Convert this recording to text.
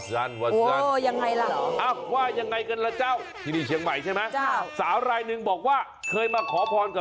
แล้วถึงสร้อยแหวนมาถวายเจ้าแม่